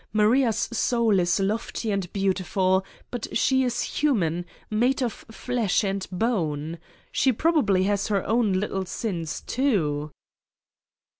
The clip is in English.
Maria's soul is lofty and beautiful, but she is human, made of flesh and bone. She prob ably has her own little sins, too.